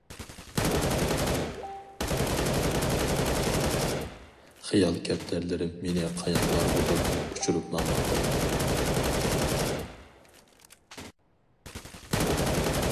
خىيال كەپتەرلىرىم مېنى قاياقلارغىدۇر ئۇچۇرۇپ ماڭماقتا.